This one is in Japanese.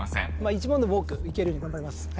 １問でも多くいけるように頑張ります。